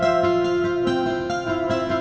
tanda sulit sih nya